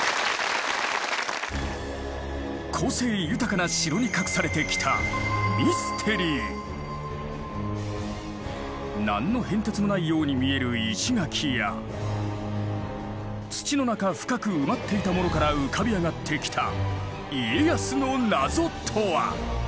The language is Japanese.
個性豊かな城に隠されてきた何の変哲もないように見える石垣や土の中深く埋まっていたものから浮かび上がってきた家康の謎とは⁉